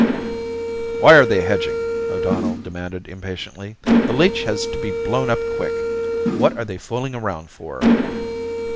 "Why are they hedging?" O'Donnell demanded impatiently. "The leech has to be blown up quick. What are they fooling around for?"